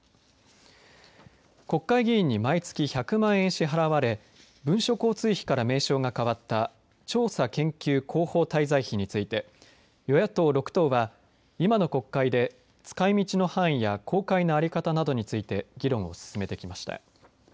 国会議員に毎月１００万円支払われ文書交通費から名称が変わった調査研究広報滞在費について与野党６党は今の国会で使いみちや公開の在り方などについて議論を進めてきました。